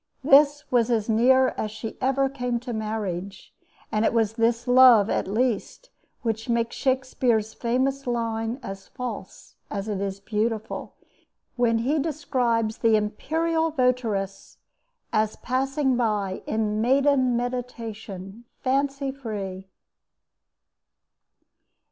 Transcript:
This was as near as she ever came to marriage, and it was this love at least which makes Shakespeare's famous line as false as it is beautiful, when he describes "the imperial votaress" as passing by "in maiden meditation, fancy free."